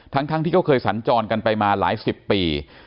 ทั้งที่เขาเคยสัญจรกันไปมาหลายสิบปี